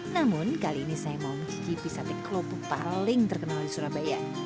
namun kali ini saya mau mencicipi sate kelopok paling terkenal di surabaya